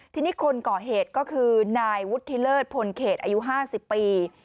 ทีนี้คนก่อเหตุก็คือนายวุฒิเลิศพลเขตอายุ๕๐ปี